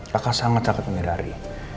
kakak sangat sakit menidari